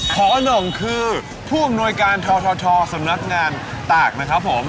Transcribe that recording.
พอหน่งคือผู้อำนวยการททสำนักงานตากนะครับผม